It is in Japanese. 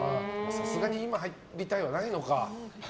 さすがに今入りたいはないのか。